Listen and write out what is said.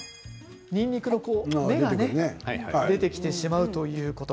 にんにくの芽が出てきてしまうということ。